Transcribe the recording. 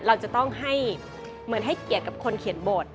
เราจะต้องให้เหมือนให้เกียรติกับคนเขียนบท